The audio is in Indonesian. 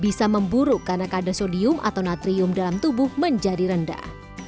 bisa memburuk karena kada sodium atau natrium dalam tubuh menjadi rendah